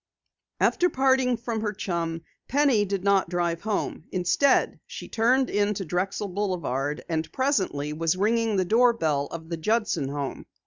After parting from her chum, Penny did not drive home. Instead, she turned into Drexel Boulevard, and presently was ringing the doorbell of the Judson home.